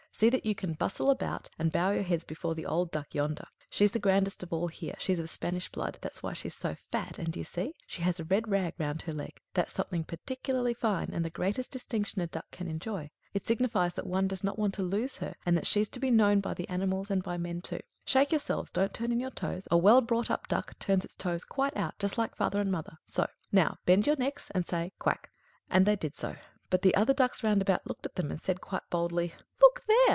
"See that you can bustle about, and bow your heads before the old Duck yonder. She's the grandest of all here; she's of Spanish blood that's why she's so fat; and d'ye see? she has a red rag round her leg; that's something particularly fine, and the greatest distinction a duck can enjoy; it signifies that one does not want to lose her, and that she's to be known by the animals and by men too. Shake yourselves don't turn in your toes; a well brought up duck turns its toes quite out, just like father and mother so! Now bend your necks and say 'Quack!'" And they did so: but the other ducks round about looked at them, and said quite boldly: "Look there!